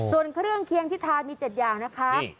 ส่วนเครื่องเคียงที่ทานมี๗อย่างนะคะ